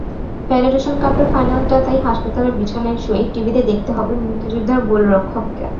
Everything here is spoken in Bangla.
ফেডারেশন কাপের ফাইনালটা তাই হাসপাতালের বিছানায় শুয়েই টিভিতে দেখতে হবে মুক্তিযোদ্ধার গোলরক্ষককে।